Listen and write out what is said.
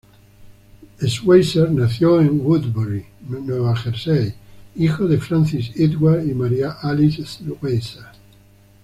Schweitzer nació en Woodbury, Nueva Jersey, hijo de Francis Edward y Mary Alice Schweitzer.